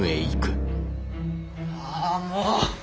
ああもう！